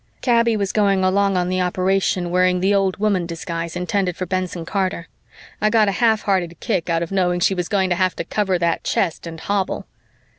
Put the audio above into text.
Kaby was going along on the operation wearing the old woman disguise intended for Benson Carter. I got a half hearted kick out of knowing she was going to have to cover that chest and hobble.